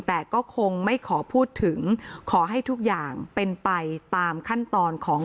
แต่ก็คงไม่ขอพูดถึงขอให้ทุกอย่างเป็นไปตามขั้นตอนของ